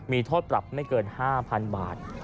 มีโทษปรับไม่เกิน๕๐๐๐บาท